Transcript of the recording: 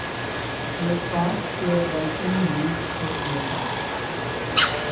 Both parks were originally used as deer parks.